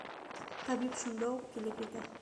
Табип шунда уҡ килеп етә.